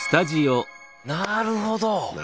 なるほど！